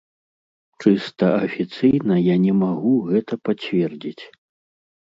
Чыста афіцыйна я не магу гэта пацвердзіць.